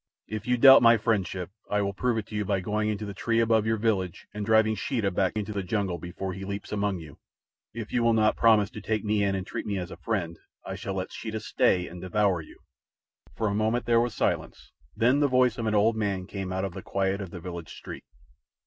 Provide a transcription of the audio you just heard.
"If you doubt my friendship, I will prove it to you by going into the tree above your village and driving Sheeta back into the jungle before he leaps among you. If you will not promise to take me in and treat me as a friend I shall let Sheeta stay and devour you." For a moment there was silence. Then the voice of an old man came out of the quiet of the village street.